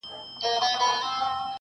o درد بايد درک کړل سي تل,